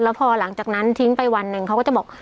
แล้วพอหลังจากนั้นทิ้งไปวันหนึ่งเขาก็จะบอก